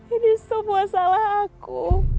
ini semua salah aku